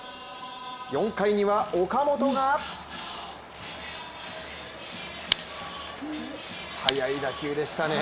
４回には岡本が速い打球でしたね